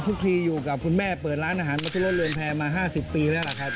ทีอยู่กับคุณแม่เปิดร้านอาหารมาที่รถเรือนแพร่มา๕๐ปีแล้วล่ะครับ